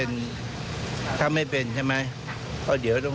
สวนสอบต่างอย่างมันได้เป็นตามที่เขาฝ่าวอ้าง